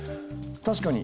確かに。